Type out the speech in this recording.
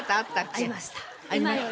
ありました？